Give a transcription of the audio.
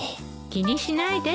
気にしないで。